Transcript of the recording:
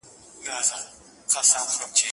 چي لیک دي د جانان کوڅې ته نه دی رسېدلی.